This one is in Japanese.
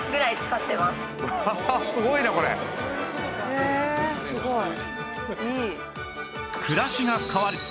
へえすごい。いい。